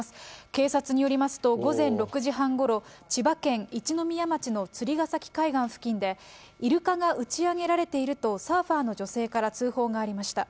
警察によりますと、午前６時半ごろ、千葉県一宮町のつりがさき海岸付近で、イルカが打ち上げられていると、サーファーの女性から通報がありました。